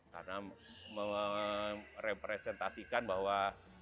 karena merepresentasikan bahwa